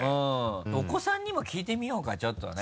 お子さんにも聞いてみようかちょっとね。